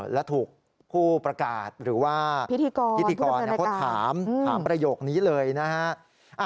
และถูกผู้ประกาศหรือว่าพิธีกรเขาถามถามประโยคนี้เลยนะฮะ